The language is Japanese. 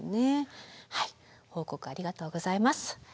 報告ありがとうございます。